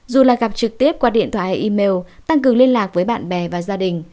dù là gặp trực tiếp qua điện thoại email tăng cường liên lạc với bạn bè và gia đình